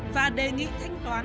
và đề nghị thanh toán cho bà liên